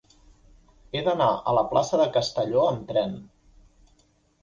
He d'anar a la plaça de Castelló amb tren.